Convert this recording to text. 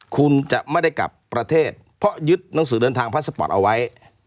คุณจะไม่ได้กลับประเทศเพราะยึดหนังสือเดินทางพาสปอร์ตเอาไว้